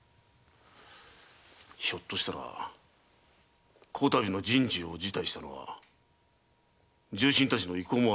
ひょっとしたら此度の人事を辞退したのは重臣たちの意向か？